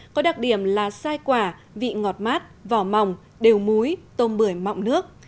có đặc điểm là sai quả vị ngọt mát vỏ mỏng đều muối tôm bưởi mọng nước